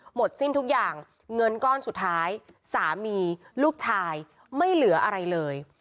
หมดสิ้นทุกอย่างเงินก้อนสุดท้ายสามีลูกชายไม่เหลืออะไรเลย